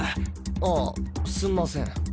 ああすんません。